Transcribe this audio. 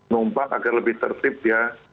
numpak agar lebih tertib ya